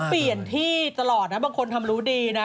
เปลี่ยนที่ตลอดนะบางคนทำรู้ดีนะ